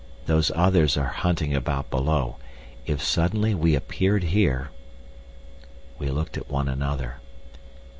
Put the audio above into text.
"Those others are hunting about below. If suddenly we appeared here—" We looked at one another.